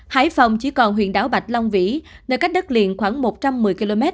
hải phòng chỉ còn huyện đảo bạch long vĩ nơi cách đất liền khoảng một trăm một mươi km